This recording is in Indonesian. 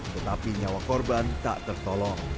tetapi nyawa korban tak tertolong